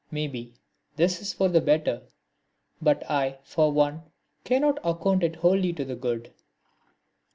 Maybe, this is for the better, but I, for one, cannot account it wholly to the good.